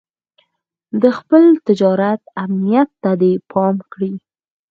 د خپل تجارت امنيت ته دې پام کړی.